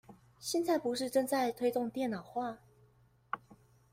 現在不是正在推動電腦化？